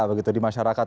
begitu di masyarakat